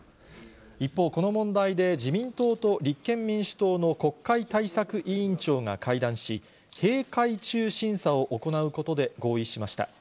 一方、この問題で自民党と立憲民主党の国会対策委員長が会談し、閉会中審査を行うことで合意しました。